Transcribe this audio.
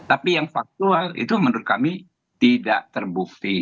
tapi yang faktual itu menurut kami tidak terbukti